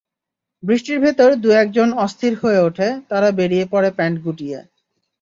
বৃষ্টির ভেতর দু-একজন অস্থির হয়ে ওঠে, তারা বেরিয়ে পড়ে প্যান্ট গুটিয়ে।